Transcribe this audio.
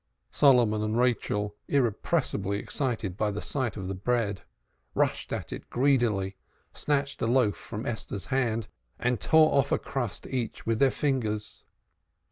Solomon and Rachel, irrepressibly excited by the sight of the bread, rushed at it greedily, snatched a loaf from Esther's hand, and tore off a crust each with their fingers.